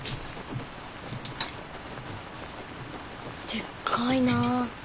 でっかいな。